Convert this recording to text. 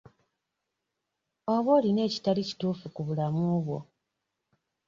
Oba olina ekitali kituufu ku bulamu bwo?